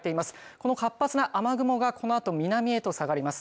この活発な雨雲がこのあと南へと下がります。